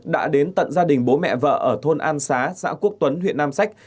đã đến tận gia đình bố mẹ vợ ở thôn an xá xã quốc tuấn huyện nam sách